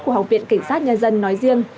của học viện kỳ sát nhân dân nói riêng